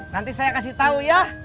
nanti saya kasih tahu ya